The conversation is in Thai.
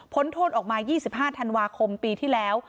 โทษออกมา๒๕ธันวาคมปีที่แล้ว